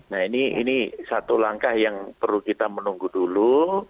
nah ini satu langkah yang perlu kita menunggu dulu